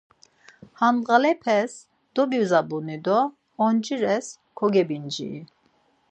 He ndğalepes dobizabuni do oncires kogebinciri.